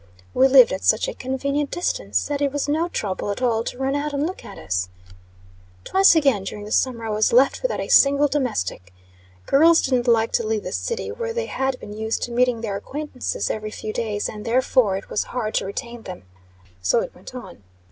We lived at "such a convenient distance," that it was no trouble at all to run out and look at us. Twice again during the summer, I was left without a single domestic. Girls didn't like to leave the city, where they had been used to meeting their acquaintances every few days; and, therefore, it was hard to retain them. So it went on.